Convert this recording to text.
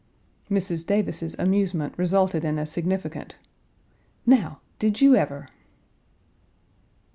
Mrs. Davis's amusement resulted in a significant "Now! Did you ever?"